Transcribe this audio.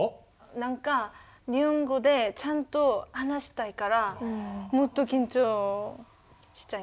何か日本語でちゃんと話したいからもっと緊張しちゃいます。